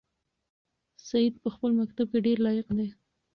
سعید په خپل مکتب کې ډېر لایق دی.